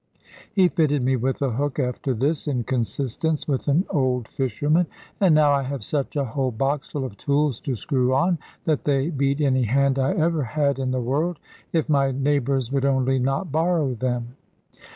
He fitted me with a hook after this, in consistence with an old fisherman; and now I have such a whole boxful of tools to screw on, that they beat any hand I ever had in the world if my neighbours would only not borrow them.